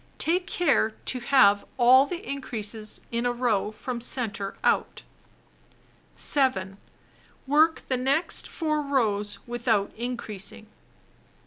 Take care to have all the increases in a row from center out. 7. Work the next 4 rows without increasing.